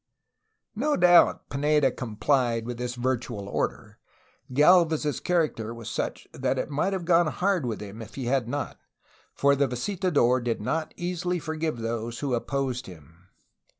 No doubt Pineda complied with this virtual order; Galvez's character was such 'that it might have gone hard with him if he had not, for the visitador did not easily forgive those who opposed him.